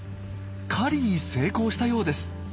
狩りに成功したようです。